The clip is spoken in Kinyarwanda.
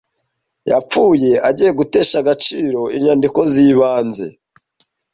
yapfuye agiye gutesha agaciro inyandiko zibanze